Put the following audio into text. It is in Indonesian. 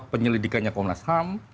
penyelidikannya komnas ham